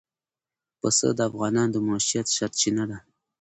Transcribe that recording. پسه د افغانانو د معیشت سرچینه ده.